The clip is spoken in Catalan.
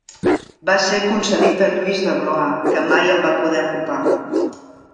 Va ser concedit a Lluís de Blois que mai el va poder ocupar.